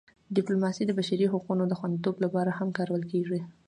ډیپلوماسي د بشري حقونو د خوندیتوب لپاره هم کارول کېږي.